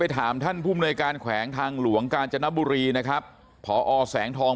ถามท่านผู้มนวยการแขวงทางหลวงกาญจนบุรีนะครับพอแสงทอง